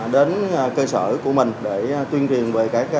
đến cơ sở của mình để tuyên truyền về các tòa án